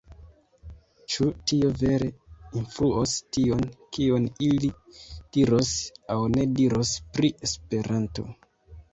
Ĉu tio vere influos tion, kion ili diros aŭ ne diros pri Esperanto?